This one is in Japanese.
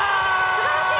すばらしい。